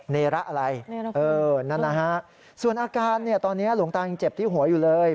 เนระอะไรเออนั่นนะฮะส่วนอาการเนี่ยตอนนี้หลวงตายังเจ็บที่หัวอยู่เลย